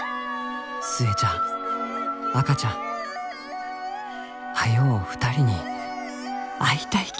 「寿恵ちゃん赤ちゃん早う２人に会いたいき」。